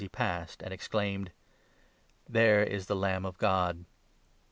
]ie passed and exclaimed :" There is the Lamb of God